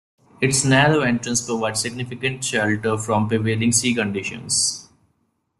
Its narrow entrance provides significant shelter from prevailing sea conditions.